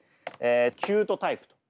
「キュートタイプ」と。